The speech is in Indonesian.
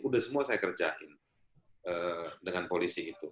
udah semua saya kerjain dengan polisi itu